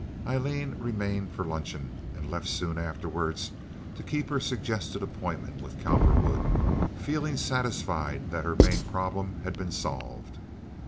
Aileen remained for luncheon, and left soon afterward to keep her suggested appointment with Cowperwood, feeling satisfied that her main problem had been solved.